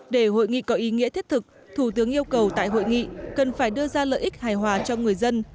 để hội nghị có ý nghĩa thiết thực thủ tướng yêu cầu tại hội nghị cần phải đưa ra lợi ích hài hòa cho người dân